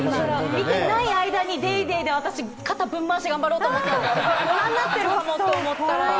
見てない間に『ＤａｙＤａｙ．』で私、肩ぶん回し、頑張ろうと思ったのに、ご覧になってるかもと思ったら。